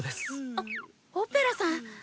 あオペラさん！